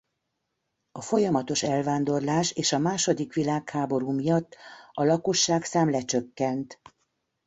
A folyamatos elvándorlás és a második világháború miatt a lakosságszám lecsökkent.